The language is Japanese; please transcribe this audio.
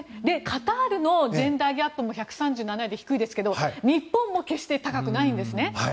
カタールのジェンダー・ギャップも１３７位で低いですけれど日本も決して高くないんですね。